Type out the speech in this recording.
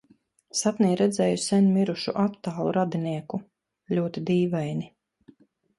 Sapnī redzēju sen mirušu attālu radinieku - ļoti dīvaini.